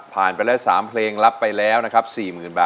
ผ่านไปแล้ว๓เพลงลับไปแล้วนะครับ